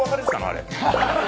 あれ。